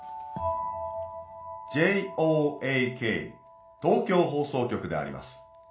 ＪＯＡＫ東京放送局であります。